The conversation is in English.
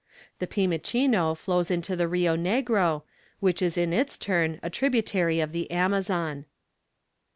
The Pimichino flows into the Rio Negro, which is in its turn a tributary of the Amazon.